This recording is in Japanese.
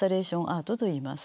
アートと言います。